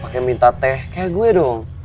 pakai minta teh kayak gue dong